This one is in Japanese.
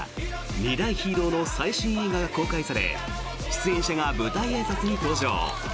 ２大ヒーローの最新映画が公開され出演者が舞台あいさつに登場。